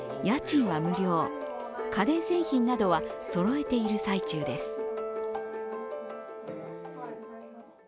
家電製品などはそろえている最中です。